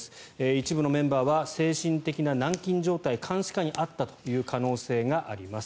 一部のメンバーは精神的な軟禁状態監視下にあった可能性があります。